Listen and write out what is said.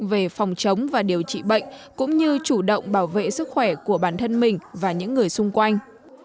về phòng chống và điều trị bệnh cũng như chủ động bảo vệ sức khỏe của bản thân mình và những người xung quanh